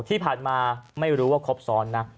ที่ผ่านมาไม่รู้ว่าครบซ้อนนะ